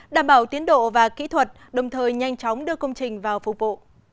đảm bảo tiến độ và kỹ thuật đồng thời nhanh chóng đưa công trình vào phục vụ